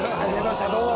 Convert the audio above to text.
どうも。